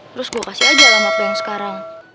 terus gue kasih aja lah maklum yang sekarang